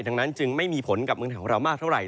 ดังนั้นจึงไม่มีผลกับเมืองไทยของเรามากเท่าไห